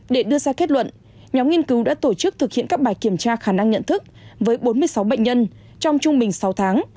để đưa ra kết luận nhóm nghiên cứu đã tổ chức thực hiện các bài kiểm tra khả năng nhận thức với bốn mươi sáu bệnh nhân trong trung bình sáu tháng